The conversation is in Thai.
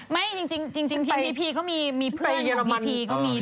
ไม่จริงทีมพีพีก็มีเพื่อนออกแบบพีพีก็มีด้วยเหมือนกัน